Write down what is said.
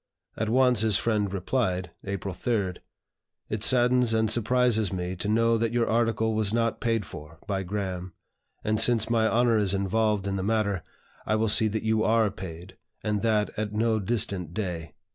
At once, his friend replied (April 3), "It saddens and surprises me to know that your article was not paid for by Graham; and, since my honor is involved in the matter, I will see that you are paid, and that at no distant day."